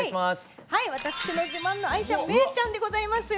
私の自慢の愛車「めーちゃん」でございます。